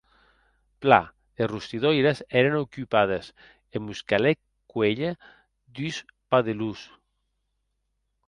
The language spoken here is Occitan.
Plan, es rostidoires èren ocupades e mos calèc cuélher dus padelons.